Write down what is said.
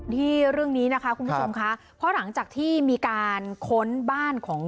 ที่เรื่องนี้นะคะคุณผู้ชมค่ะเพราะหลังจากที่มีการค้นบ้านของ